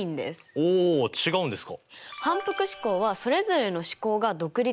お違うんですか。